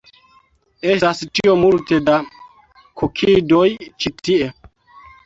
Estas tiom multe da kokidoj ĉi tie